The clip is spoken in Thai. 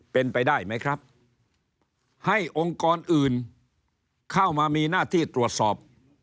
เป็นไปได้ไหมครับให้องค์กรอื่นเข้ามามีหน้าที่ตรวจสอบ